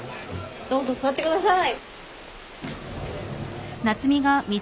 どうぞ座ってください。